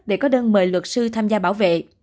để có đơn mời luật sư tham gia bảo vệ